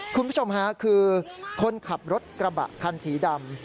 คุณผู้ชมค่ะคือคนขับรถกระบะคันสีดำ